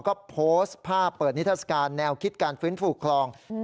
ก็พล็อสภาพเปิดนิธสกาลแนวคิดการฟื้นฟูบคลองอืม